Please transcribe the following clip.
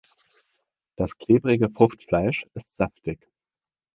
Das klebrige Fruchtfleisch ist saftig.